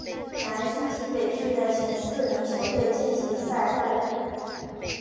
南区及北区的前四名球队晋级季后赛。